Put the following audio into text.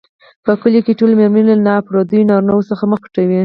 په کلیو کې ټولې مېرمنې له نا پردیو نارینوو څخه مخ پټوي.